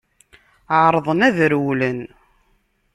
Ԑerḍen ad rewlen.